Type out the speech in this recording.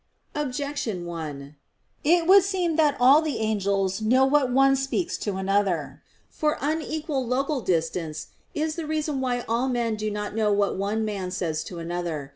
Objection 1: It would seem that all the angels know what one speaks to another. For unequal local distance is the reason why all men do not know what one man says to another.